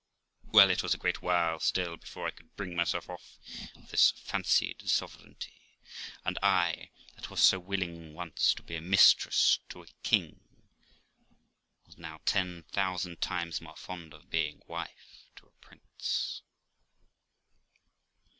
' Well, it was a great while still before I could bring myself off of this fancied sovereignty; and I, that was so willing once to be mistress to a king, was now ten thousand times more fond of being wife to a prince.